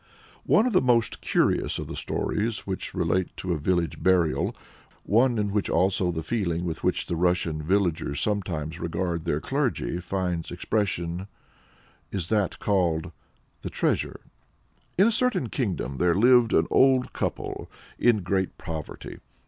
" One of the most curious of the stories which relate to a village burial, one in which also the feeling with which the Russian villagers sometimes regard their clergy finds expression is that called THE TREASURE. In a certain kingdom there lived an old couple in great poverty.